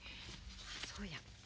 そうや。